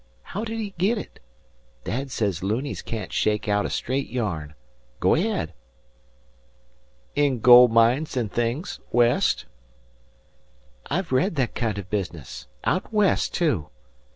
How did he git it? Dad sez loonies can't shake out a straight yarn. Go ahead." "In gold mines and things, West." "I've read o' that kind o' business. Out West, too?